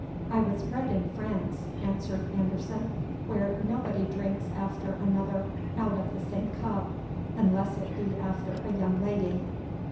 "I was bred in France," answered Anderson, "where nobody drinks after another out of the same cup, unless it be after a young lady."